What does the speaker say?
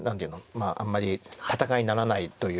まああんまり戦いにならないという。